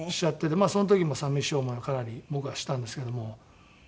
その時も寂しい思いはかなり僕はしたんですけども。